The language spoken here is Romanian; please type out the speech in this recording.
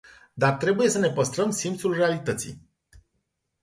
Dar trebuie să ne păstrăm simțul realității.